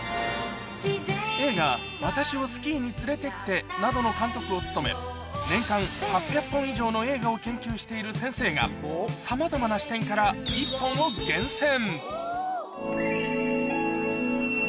映画、私をスキーに連れてってなどの監督を務め、年間８００本以上の映画を研究している先生が、さまざまな視点から１本を厳選。